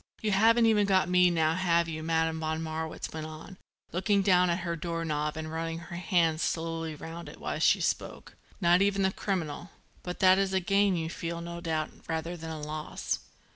"You haven't even got me now have you," Madame von Marwitz went on, looking down at her door knob and running her hand slowly round it while she spoke. "Not even the criminal. But that is a gain, you feel, no doubt, rather than a loss."